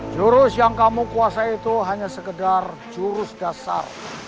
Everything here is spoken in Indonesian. jurus yang kamu kuasai itu hanya sekedar jurus dasar